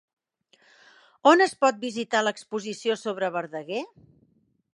On es pot visitar l'exposició sobre Verdaguer?